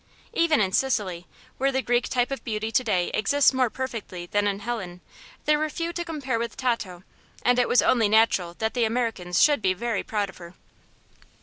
Even in Sicily, where the Greek type of beauty to day exists more perfectly than in Helene, there were few to compare with Tato, and it was only natural that the Americans should be very proud of her.